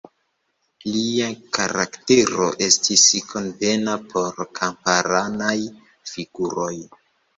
Lia karaktero estis konvena por kamparanaj figuroj.